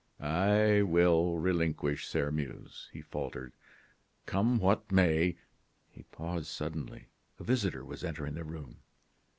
"I will relinquish Sairmeuse," he faltered, "come what may " He paused suddenly; a visitor was entering the room.